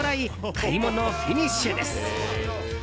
買い物フィニッシュです。